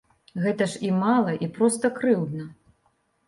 Гэта ж і мала, і проста крыўдна.